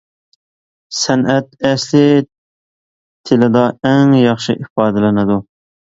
سەنئەت ئەسلى تىلىدا ئەڭ ياخشى ئىپادىلىنىدۇ.